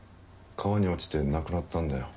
川に落ちて亡くなったんだよ。